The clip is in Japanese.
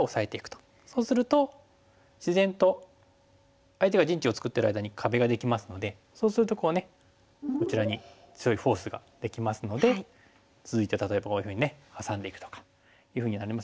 そうすると自然と相手が陣地を作ってる間に壁ができますのでそうするとこうねこちらに強いフォースができますので続いて例えばこういうふうにねハサんでいくとかいうふうになりますね。